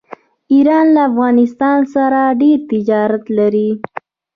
ایران له افغانستان سره ډیر تجارت لري.